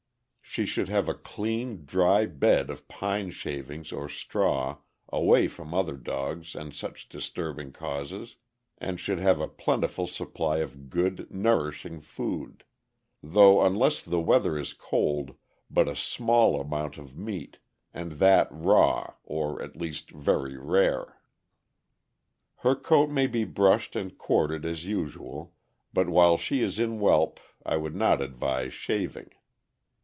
She should have a clean, dry bed of pine shavings or straw, away from other dogs and such disturb ing causes, and should have a plentiful supply of good, nourishing food; though, unless the weather is cold, but a small amount of meat, and that raw, or at least very rare. Her coat may be brushed and corded as usual, but while she is in whelp I would not advise shaving.